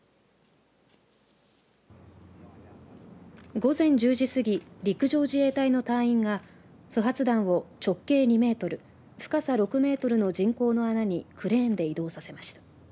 午前１０時過ぎ陸上自衛隊の隊員が不発弾を直径２メートル深さ６メートルの人工の穴にクレーンで移動させました。